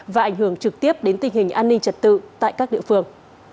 và ảnh hưởng trực tiếp đến tình hình an ninh trật tự tại các địa phương